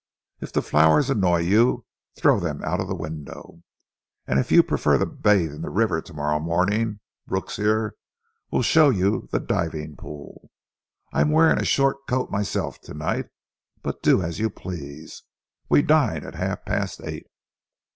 If the flowers annoy you, throw them out of the window. And if you prefer to bathe in the river to morrow morning, Brooks here will show you the diving pool. I am wearing a short coat myself to night, but do as you please. We dine at half past eight."